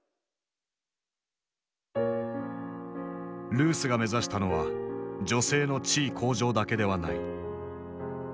ルースが目指したのは女性の地位向上だけではない。